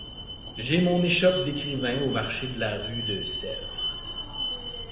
J'ai mon échoppe d'écrivain au marché de la rue de Sèvres.